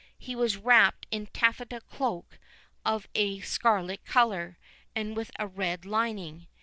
He was wrapped in a taffeta cloak of a scarlet colour, and with a red lining.